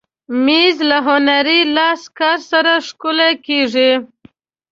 مېز له هنري لاسکار سره ښکلی کېږي.